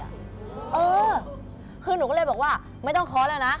เออคือหนูก็เลยบอกว่าไม่ต้องเคาะแล้วนะ